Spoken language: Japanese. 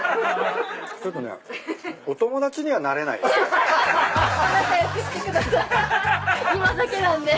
ちょっとねお友達にはなれないっすね。